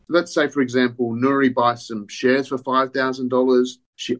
misalnya nuri membeli beberapa aset